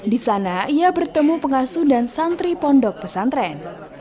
di sana ia bertemu pengasuh dan santri pondok pesantren